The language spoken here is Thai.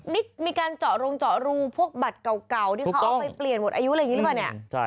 นี่มีการเจาะโรงเจาะรูพวกบัตรเก่าที่เขาเอาไปเปลี่ยนหมดอายุอะไรอย่างนี้หรือเปล่าเนี่ย